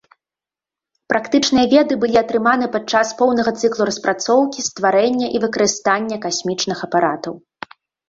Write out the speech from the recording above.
Практычныя веды былі атрыманы падчас поўнага цыклу распрацоўкі, стварэння і выкарыстання касмічных апаратаў.